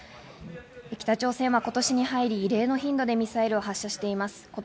北朝鮮は今年に入り、異例の頻度でミサイルを発射しています。